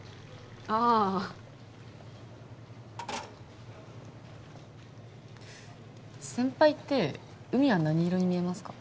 ああ先輩って海は何色に見えますか？